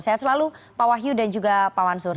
saya selalu pak wahyu dan juga pak mansur